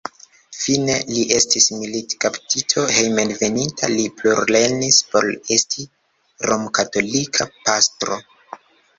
Fine li estis militkaptito, hejmenveninta li plulernis por esti romkatolika pastro.